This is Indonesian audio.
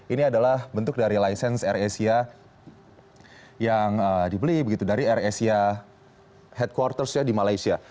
ini adalah bentuk dari license air asia yang dibeli begitu dari air asia headquarters ya di malaysia